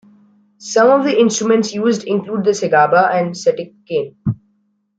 Some of the instruments used include the segaba and setinkane.